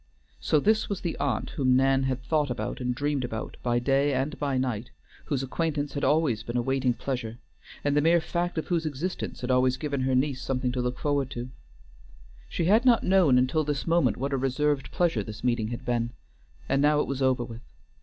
So this was the aunt whom Nan had thought about and dreamed about by day and by night, whose acquaintance had always been a waiting pleasure, and the mere fact of whose existence had always given her niece something to look forward to. She had not known until this moment what a reserved pleasure this meeting had been, and now it was over with.